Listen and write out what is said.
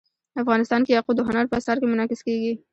افغانستان کې یاقوت د هنر په اثار کې منعکس کېږي.